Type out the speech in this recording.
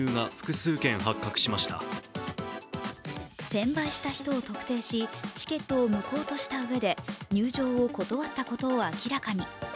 転売した人を特定しチケットを無効とした上で入場を断ったことを明らかに。